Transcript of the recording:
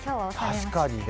確かにね